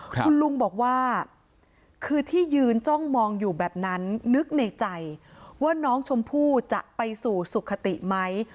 คุณลุงบอกว่าคือที่ยืนจ้องมองอยู่แบบนั้นนึกในใจว่าน้องชมพู่จะไปสู่สุขติไหม